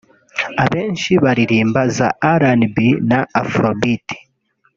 Abenshi bararirimba za RnB na Afrobeat